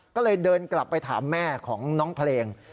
ก็เลยเดินกลับไปถามแม่ของน้องเพลง